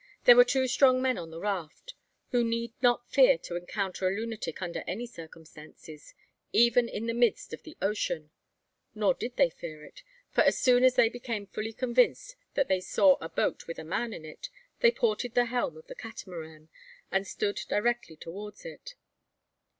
There were two strong men on the raft, who need not fear to encounter a lunatic under any circumstances, even in the midst of the ocean. Nor did they fear it; for as soon as they became fully convinced that they saw a boat with a man in it, they "ported" the helm of the Catamaran, and stood directly towards it.